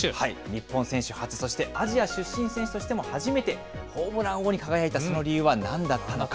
日本選手初、そしてアジア出身選手としても初めてホームラン王に輝いたその理由はなんだったのか。